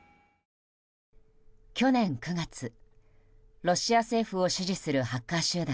去年９月、ロシア政府を支持するハッカー集団